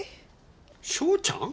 章ちゃん？